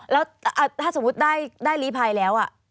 แล้วถ้าสมมุติได้ลีภัยแล้ว